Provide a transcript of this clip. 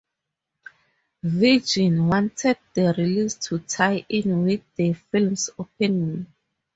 Virgin wanted the release to tie in with the film's opening.